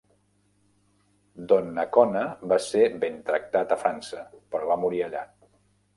Donnacona va ser ben tractat a França, però va morir allà.